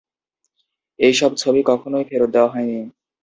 এই সব ছবি কখনই ফেরত দেয়া হয়নি।